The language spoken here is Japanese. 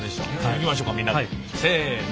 いきましょかみんなでせの。